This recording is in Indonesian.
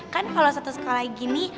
kan kalau satu sekolah gini